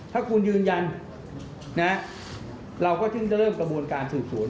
ถ้าคุณยืนยันนะเราก็ถึงจะเริ่มกระบวนการสืบสวน